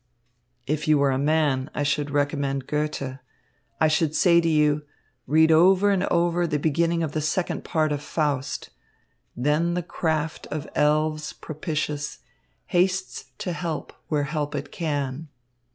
"If you were a man, I should recommend Goethe. I should say to you, 'Read over and over the beginning of the second part of Faust:' 'Then the craft of elves propitious Hastes to help where help it can.'